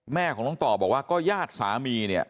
แม่ของน้องต่อบอกว่าก็ญาติสามีเนี่ย